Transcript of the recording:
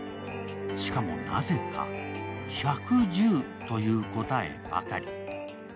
しかもなぜか「１１０」という答えばかり。